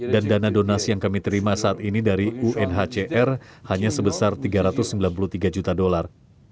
dan dana donasi yang kami terima saat ini dari unhcr hanya sebesar tiga ratus sembilan puluh tiga juta dolar